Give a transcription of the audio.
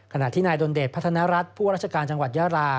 ขณะที่นายดนเดชพัฒนรัฐผู้ราชการจังหวัดยารา